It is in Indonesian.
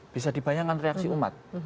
bisa dibayangkan reaksi umat